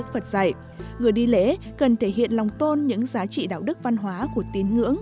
vật dạy người đi lễ cần thể hiện lòng tôn những giá trị đạo đức văn hóa của tín ngưỡng